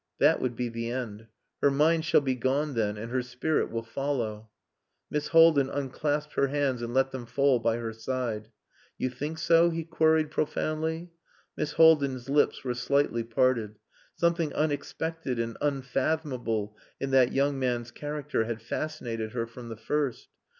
"That would be the end. Her mind shall be gone then, and her spirit will follow." Miss Haldin unclasped her hands and let them fall by her side. "You think so?" he queried profoundly. Miss Haldin's lips were slightly parted. Something unexpected and unfathomable in that young man's character had fascinated her from the first.